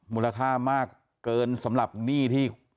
มูลค่ามากเกินสำหรับหนี้ที่